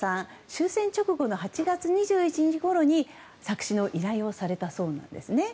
終戦直後の８月２１日ごろに作詞の依頼をされたそうなんですね。